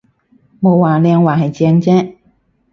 冇話靚，係話正啫